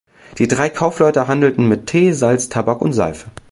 Die drei Kaufleute handelten mit Tee, Salz, Tabak und Seife.